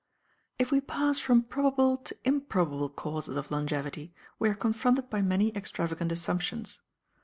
If we pass from probable to improbable causes of longevity we are confronted by many extravagant assumptions.